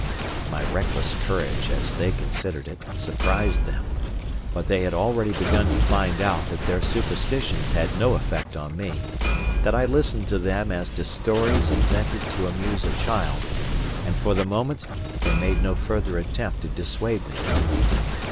My reckless courage, as they considered it, surprised them; but they had already begun to find out that their superstitions had no effect on me, that I listened to them as to stories invented to amuse a child, and for the moment they made no further attempt to dissuade me.